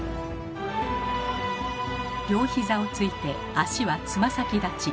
両膝をついて足はつま先立ち。